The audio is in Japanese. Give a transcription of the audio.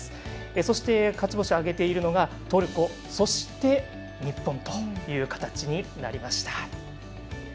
そして、勝ち星を挙げているのがトルコそして日本という形になりました。